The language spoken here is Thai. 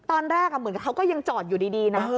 ตอนแรกเหมือนกับเขาก็ยังจอดอยู่ดีนะ